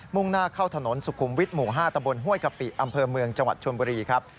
่งหน้าเข้าถนนสุขุมวิทย์หมู่๕ตะบนห้วยกะปิอำเภอเมืองจังหวัดชนบุรีครับ